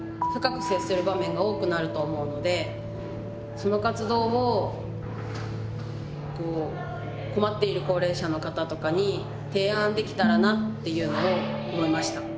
その活動を困っている高齢者の方とかに提案できたらなっていうのを思いました。